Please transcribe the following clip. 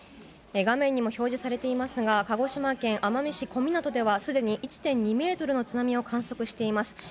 画面にも表示されていますが鹿児島県奄美市小湊ではすでに１．２ｍの津波を観測しています。